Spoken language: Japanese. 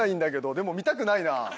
でも見たくないな。